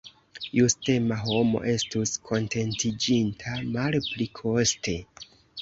Justema homo estus kontentiĝinta malpli koste.